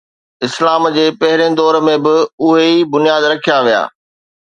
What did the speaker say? اسلام جي پهرين دور ۾ به اهي ئي بنياد رکيا ويا.